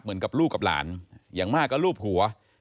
เหมือนกับลูกกับหลานอย่างมากก็ลูบหัว